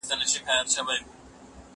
را ایستل یې له قبرونو کفنونه